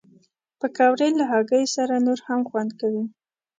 پکورې له هګۍ سره نور هم خوند کوي